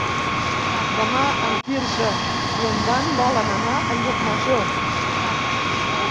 Demà en Quirze i en Dan volen anar a Llucmajor.